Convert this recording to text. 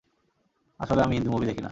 আসলে আমি হিন্দি মুভি দেখি না।